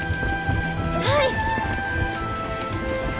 はい！